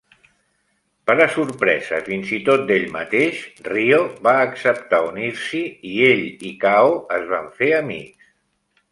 Per a sorpresa fins i tot d'ell mateix, Ryo va acceptar unir-s'hi, i ell i Kaho es van fer amics.